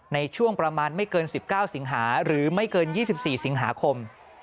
ในช่วงประมาณไม่เกิน๑๙สิงหาหรือไม่เกิน๒๔สิงหาคม